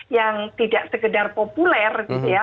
yang tidak sekedar populer gitu ya